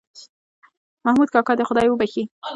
محمود کاکا دې خدای وبښي